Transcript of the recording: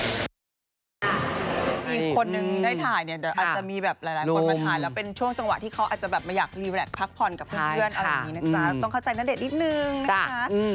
คนหนึ่งได้ถ่ายเนี่ยอาจจะมีแบบหลายคนมาถ่ายแล้วเป็นช่วงจังหวะที่เขาอาจจะแบบมาอยากพักผ่อนกับเพื่อนต้องเข้าใจณเดชน์นิดนึงนะคะ